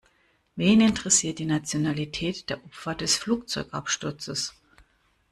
Wen interessiert die Nationalität der Opfer des Flugzeugabsturzes?